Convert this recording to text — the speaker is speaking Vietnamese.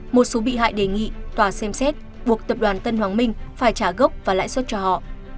một số bị hại đề nghị tòa xem xét buộc tập đoàn tân hoàng minh phải trả gốc và lãi suất cho họ